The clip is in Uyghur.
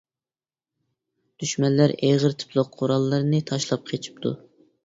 دۈشمەنلەر ئېغىر تىپلىق قوراللىرىنى تاشلاپ قېچىپتۇ.